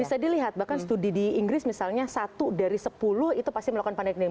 bisa dilihat bahkan studi di inggris misalnya satu dari sepuluh itu pasti melakukan panen